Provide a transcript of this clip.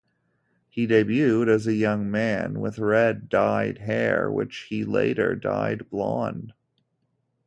He debuted as a young man with red hair which he later dyed blonde.